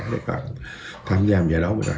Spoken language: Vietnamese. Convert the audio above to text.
để các bạn tham gia một giải đấu